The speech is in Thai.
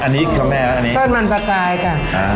อันนี้ค่ะแม่อันนี้ส้นมันปลากายค่ะอ่า